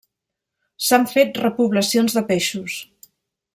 S'han fet repoblacions de peixos.